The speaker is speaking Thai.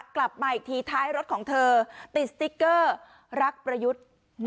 กลับมาอีกทีท้ายรถของเธอติดสติ๊กเกอร์รักประยุทธ์